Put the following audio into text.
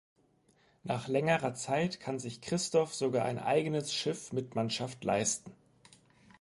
Nach längerer Zeit kann sich Christoph sogar ein eigenes Schiff mit Mannschaft leisten.